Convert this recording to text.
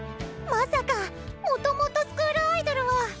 まさかもともとスクールアイドルを。